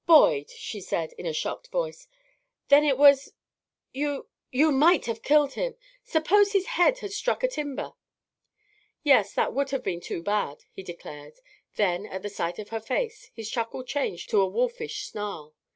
"Boyd," she cried, in a shocked voice, "then it was you you might have killed him! Suppose his head had struck a timber!" "Yes, that would have been too bad!" he declared; then, at the sight of her face, his chuckle changed to a wolfish snarl.